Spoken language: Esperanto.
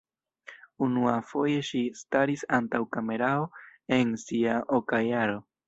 Unuafoje ŝi staris antaŭ kamerao en sia oka jaro.